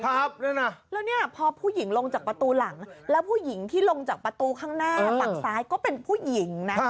แล้วเนี่ยพอผู้หญิงลงจากประตูหลังแล้วผู้หญิงที่ลงจากประตูข้างหน้าฝั่งซ้ายก็เป็นผู้หญิงนะ